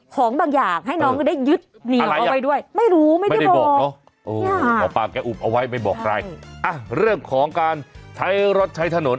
ของบางอย่างให้น้องได้ยืดนี่เอาไปด้วยไม่รู้ไม่ได้บอกโอ้งไม่บอกใครอะเทรียมของการใช้รถใช้ถนน